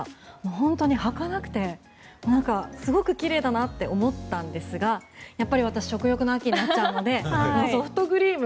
本当にはかなくてなんか、すごく奇麗だなって思ったんですがやっぱり私食欲の秋になっちゃうのでソフトクリーム